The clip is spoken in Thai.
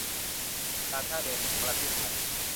การท่าเรือแห่งประเทศไทย